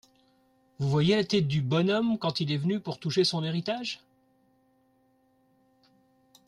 Vous voyez la tête du bonhomme quand il est venu pour toucher son héritage !